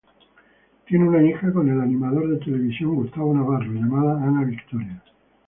Tiene una hija con el animador de televisión Gustavo Navarro, llamada Ana Victoria.